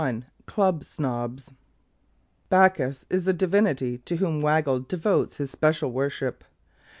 CHAPTER XLI CLUB SNOBS Bacchus is the divinity to whom Waggle devotes his especial worship.